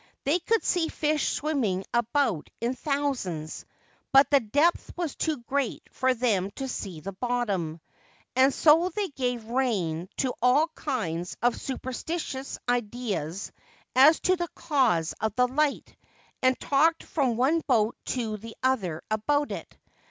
They could see fish swimming about in thousands ; but the depth was too great for them to see the bottom, and so they gave rein to all kinds of superstitious ideas as to the cause of the light, and talked from one boat to the other about it.